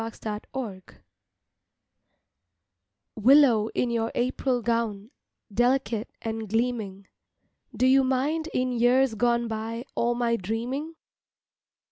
APRIL SONG WILLOW in your April gown Delicate and gleaming, Do you mind in years gone by All my dreaming?